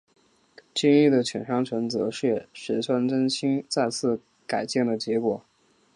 今日的犬山城则是石川贞清再次改建的结果。